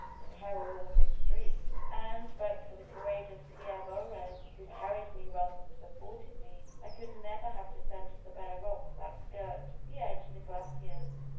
The peril was extreme; and but for the courageous Pierre Bohren, who carried me rather than supported me, I could never have descended the bare rocks that skirt the edge of the glacier.